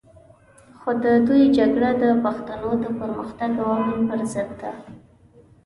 خو د دوی جګړه د پښتنو د پرمختګ او امن پر ضد ده.